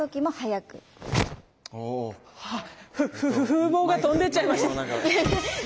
風防が飛んでっちゃいました。